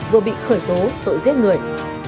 vừa bị khởi tố tội giết người